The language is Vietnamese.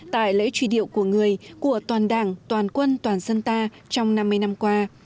tại lễ truy điệu của người của toàn đảng toàn quân toàn dân ta trong năm mươi năm qua